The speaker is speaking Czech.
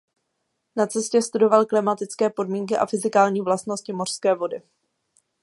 Na cestě studoval klimatické podmínky a fyzikální vlastnosti mořské vody.